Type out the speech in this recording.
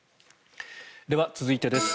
では、続いてです。